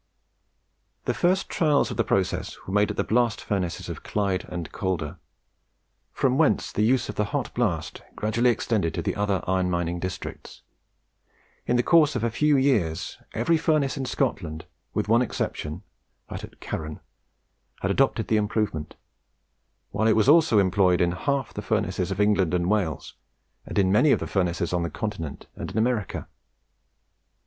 The first trials of the process were made at the blast furnaces of Clyde and Calder; from whence the use of the hot blast gradually extended to the other iron mining districts. In the course of a few years every furnace in Scotland, with one exception (that at Carron), had adopted the improvement; while it was also employed in half the furnaces of England and Wales, and in many of the furnaces on the Continent and in America.